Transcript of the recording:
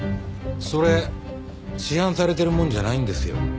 それ市販されてるものじゃないんですよ。